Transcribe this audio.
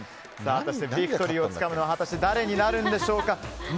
果たしてビクトリーをつかむのは誰になるのでしょうか。